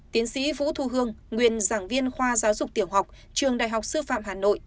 tiến sĩ vũ thu hương nguyên giảng viên khoa giáo dục tiểu học trường đại học sư phạm hà nội